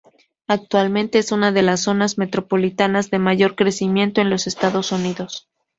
Actualmente, es una de las Zonas Metropolitanas de mayor crecimiento en los Estados Unidos.